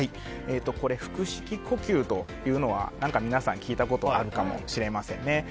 腹式呼吸というのは皆さん聞いたことあるかもしれませんね。